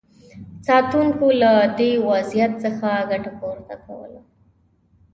ساتونکو له دې وضعیت څخه ګټه پورته کوله.